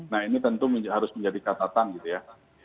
nah ini tentu harus menjadi catatan gitu ya